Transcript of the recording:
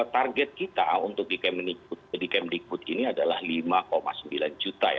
target kita untuk di kemdikbud ini adalah lima sembilan juta ya